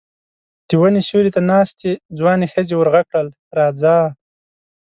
د وني سيوري ته ناستې ځوانې ښځې ور غږ کړل: راځه!